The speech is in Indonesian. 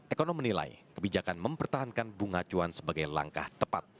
ekonom menilai kebijakan mempertahankan bunga cuan sebagai langkah tepat